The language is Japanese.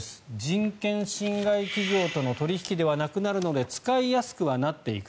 人権侵害企業との取引ではなくなるので使いやすくはなっていく。